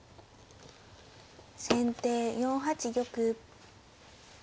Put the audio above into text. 先手４八玉。